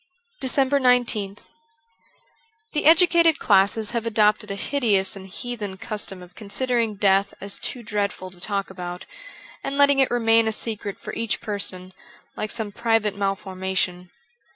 391 DECEMBER 19th THE educated classes have adopted a hideous and heathen custom of considering death as too dreadful to talk about, and letting it remain a secret for each person, like some private mal formation.